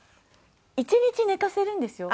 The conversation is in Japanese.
１日寝かせるんですよ。